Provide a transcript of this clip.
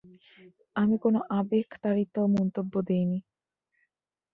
আমি কোনও আবেগতাড়িত মন্তব্য দেইনি।